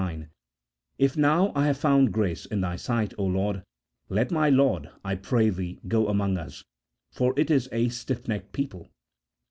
9), "If now I have found grace in Thy sight, O Lord, let my Lord, I pray Thee, go among us ; for it is a stiffnecked people."